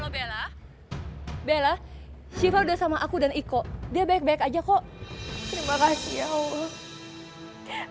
bella bella siva udah sama aku dan iko dia baik baik aja kok terima kasih ya